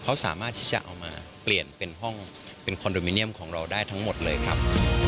เขาสามารถที่จะเอามาเปลี่ยนเป็นห้องเป็นคอนโดมิเนียมของเราได้ทั้งหมดเลยครับ